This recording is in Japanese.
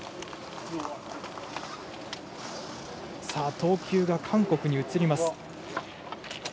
投球が韓国に移ります。